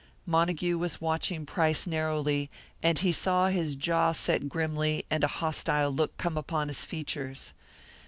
Montague was watching Price narrowly, and he saw his jaw set grimly, and a hostile look come upon his features.